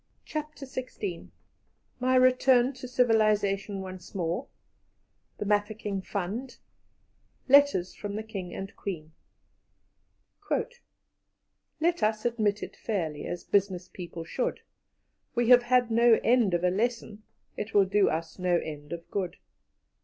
CHAPTER XVI MY RETURN TO CIVILIZATION ONCE MORE THE MAFEKING FUND LETTERS FROM THE KING AND QUEEN "Let us admit it fairly, As business people should, We have had no end of a lesson: It will do us no end of good."